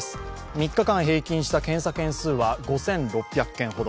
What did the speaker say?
３日間平均した検査件数は５６００件ほど。